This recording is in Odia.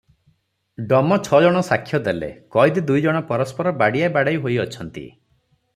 ଡମ ଛ ଜଣ ସାକ୍ଷ୍ୟ ଦେଲେ, କଏଦୀ ଦୁଇଜଣ ପରସ୍ପର ବାଡ଼ିଆବାଡ଼େଇ ହୋଇଅଛନ୍ତି ।